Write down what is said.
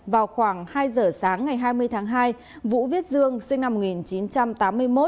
vào khoảng hai giờ sáng ngày hai mươi tháng hai vũ viết dương sinh năm một nghìn chín trăm tám mươi một